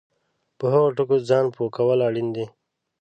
په هغو ټکو ځان پوه کول اړین دي